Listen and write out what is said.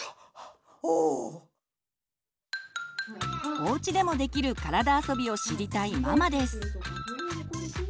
おうちでもできる体あそびを知りたいママです。